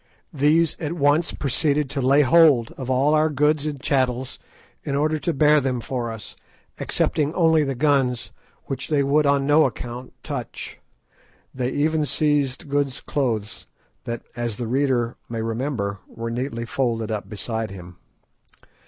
These at once proceeded to lay hold of all our goods and chattels, in order to bear them for us, excepting only the guns, which they would on no account touch. They even seized Good's clothes, that, as the reader may remember, were neatly folded up beside him.